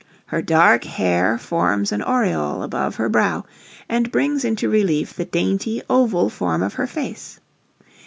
Her dark hair forms an aureole above her brow, and brings into relief the dainty, oval form of her face.